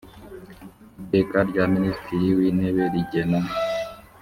iteka rya minisitiri w intebe rigena